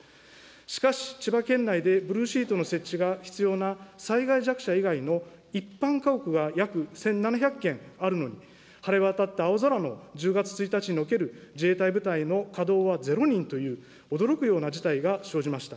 しかし、千葉県内でブルーシートの設置が必要な災害弱者以外の一般家屋が約１７００軒あるのに、晴れ渡った青空の１０月１日における自衛隊部隊の稼働はゼロ人という、驚くような事態が生じました。